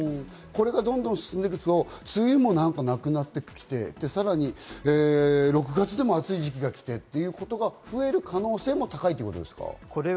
これがどんどん進むと梅雨がなくなってきて、さらに６月でも暑い時期が来てということが増える可能性も高いということですか？